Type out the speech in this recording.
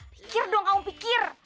pikir dong kamu pikir